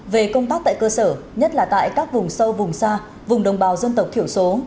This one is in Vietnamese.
về công tác tại cơ sở nhất là tại các vùng sâu vùng xa vùng đồng bào dân tộc thiểu số